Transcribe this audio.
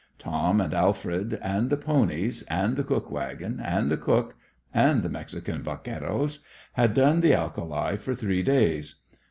Tom, and Alfred, and the ponies, and the cook wagon, and the cook, and the Mexican vaqueros had done the alkali for three days.